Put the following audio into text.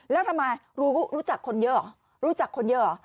แล้วทำไมรู้รู้จักคนเยอะรู้จักคนเยอะ